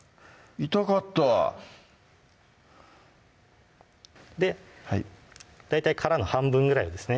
痛かった大体殻の半分ぐらいですね